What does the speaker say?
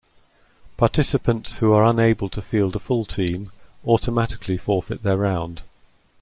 Participants who are unable to field a full team automatically forfeit their round.